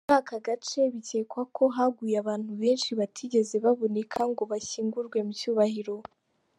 Muri aka gace bikekwa ko haguye abantu benshi batigeze baboneka ngo bashyingurwe mu cyubahiro.